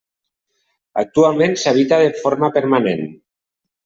Actualment s'habita de forma permanent.